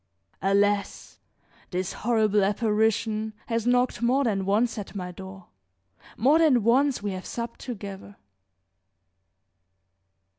Alas! this horrible apparition has knocked more than once at my door; more than once we have supped together.